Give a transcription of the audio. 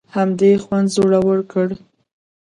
همدې خوند زړور کړو.